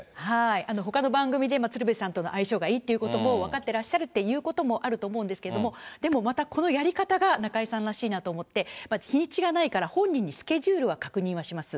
ほかの番組で、鶴瓶さんとの相性がいいということも分かってらっしゃるということもあると思うんですけれども、でも、また、このやり方が中居さんらしいなと思って、日にちがないから、本人にスケジュールは確認はします。